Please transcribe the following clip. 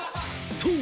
［そう！